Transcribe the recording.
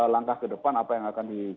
langkah kedepan apa yang akan dikerjakan oleh